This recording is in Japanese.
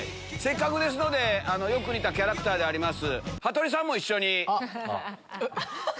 せっかくですのでよく似たキャラクターであります羽鳥さんも一緒に。